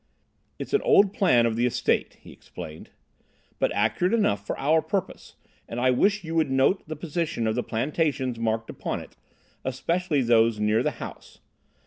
"It's an old plan of the estate," he explained, "but accurate enough for our purpose, and I wish you would note the position of the plantations marked upon it, especially those near the house.